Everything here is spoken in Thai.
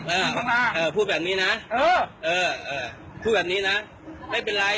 เออพูดแบบนี้นะเออเออพูดแบบนี้นะไม่เป็นไร